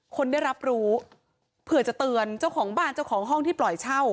คนได้รับรู้เผื่อจะเตือนเจ้าของบ้านเจ้าของห้องที่ปล่อยเช่า